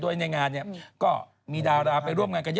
โดยในงานเนี่ยก็มีดาราไปร่วมงานกันเยอะ